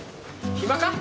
暇か？